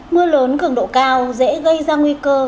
mưa lớn cường độ cao dễ gây ra nguy cơ